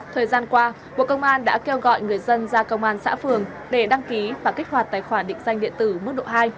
thời gian qua bộ công an đã kêu gọi người dân ra công an xã phường để đăng ký và kích hoạt tài khoản định danh điện tử mức độ hai